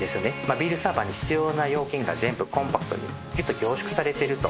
ビールサーバーに必要な要件が全部コンパクトにギュッと凝縮されていると。